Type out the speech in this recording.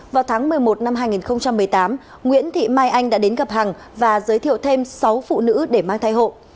vào tháng một mươi một năm hai nghìn một mươi tám nguyễn thị mai anh đã đến gặp hằng và giới thiệu thêm sáu phụ nữ để mang thai hộ